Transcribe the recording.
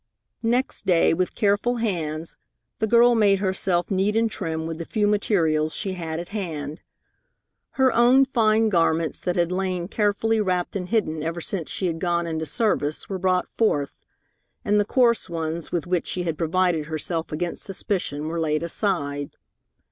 Next day, with careful hands, the girl made herself neat and trim with the few materials she had at hand. Her own fine garments that had lain carefully wrapped and hidden ever since she had gone into service were brought forth, and the coarse ones with which she had provided herself against suspicion were laid aside.